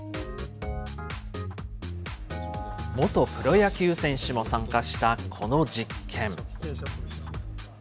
元プロ野球選手も参加したこの実験。